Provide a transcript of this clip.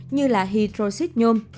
như là hydroxid nhôm